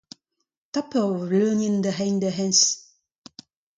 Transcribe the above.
Tap un vleunienn da reiñ da hennezh.